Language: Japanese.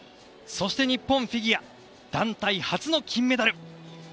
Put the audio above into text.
そして、日本フィギュア団体初の金メダル。